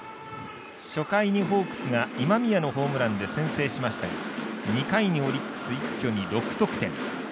初回にホークスが今宮のホームランで先制しましたが２回にオリックス、一挙に６得点。